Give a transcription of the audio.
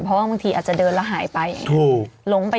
เพราะว่าบางทีอาจจะเดินแล้วหายไป